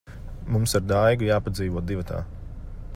Mums ar Daigu jāpadzīvo divatā.